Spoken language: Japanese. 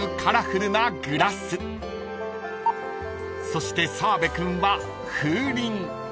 ［そして澤部君は風鈴］